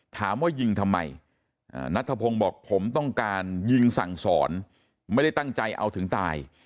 ถามว่ายิงทำไมนัทธพงศ์บอกผมต้องการยิงสั่งสอนไม่ได้ตั้งใจเอาถึงตาย